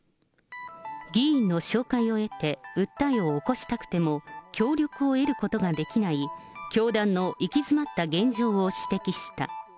議員の紹介を得て、訴えを起こしたくても、協力を得ることができない教団の行き詰まった現状を指摘した。